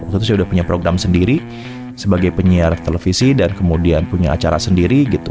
waktu itu saya udah punya program sendiri sebagai penyiar televisi dan kemudian punya acara sendiri gitu